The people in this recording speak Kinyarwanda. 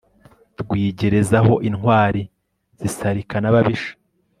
Rwigerezaho intwali zisarika nababisha